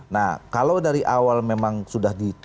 nah kalau dari awal memang sudah di